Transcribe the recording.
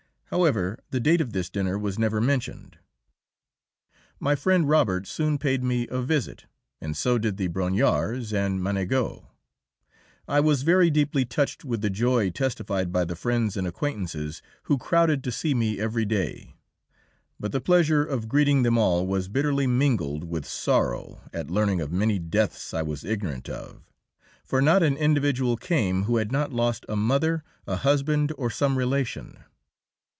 However, the date of this dinner was never mentioned. My friend Robert soon paid me a visit, and so did the Brongniarts, and Ménageot. I was very deeply touched with the joy testified by the friends and acquaintances who crowded to see me every day. But the pleasure of greeting them all was bitterly mingled with sorrow at learning of many deaths I was ignorant of, for not an individual came who had not lost a mother, a husband, or some relation.